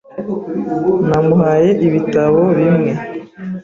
Namuhaye ibitabo bimwe.